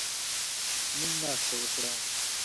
موږ ناسته وکړه